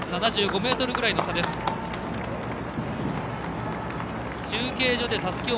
７５ｍぐらいの差です。